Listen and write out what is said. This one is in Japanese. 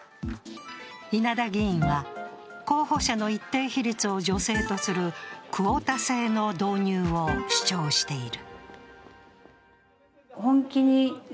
稲田議員は候補者の一定比率を女性とするクオータ制の導入を主張している。